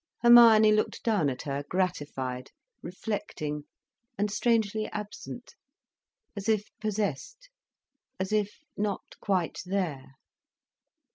Hermione looked down at her, gratified, reflecting, and strangely absent, as if possessed, as if not quite there.